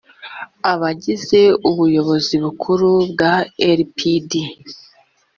abagize ubuyobozi bukuru bwa ilpd